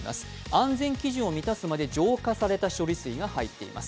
安全基準を満たすまで浄化された処理水が入っています。